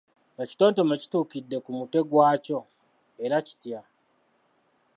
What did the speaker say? Ekitontome kituukidde ku mutwe gwa kyo, era kitya?